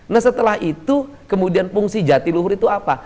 nah setelah itu kemudian fungsi jatiluhur itu apa